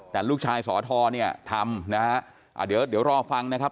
แต่ลูกชายสอทอเนี่ยทำนะฮะอ่าเดี๋ยวเดี๋ยวรอฟังนะครับ